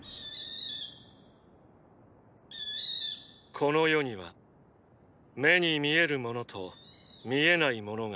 この世には目に見えるものと見えないものがある。